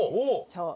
そう。